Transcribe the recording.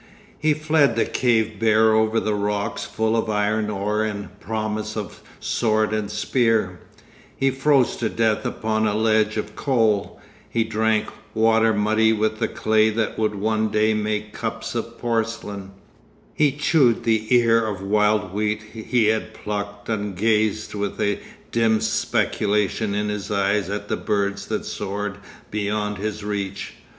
He fled the cave bear over the rocks full of iron ore and the promise of sword and spear; he froze to death upon a ledge of coal; he drank water muddy with the clay that would one day make cups of porcelain; he chewed the ear of wild wheat he had plucked and gazed with a dim speculation in his eyes at the birds that soared beyond his reach.